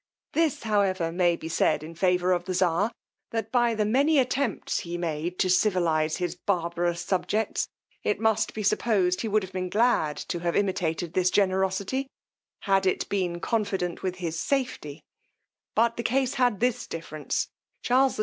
This, however, may be said in favour of the czar, that by the many attempts he made to civilize his barbarous subjects, it must be supposed he would have been glad to have imitated this generosity, had it been confident with his safety; but the case had this difference, Charles XII.